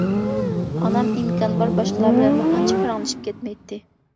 ئانام ئىمكان بار باشقىلار بىلەنمۇ ئانچە پاراڭلىشىپ كەتمەيتتى.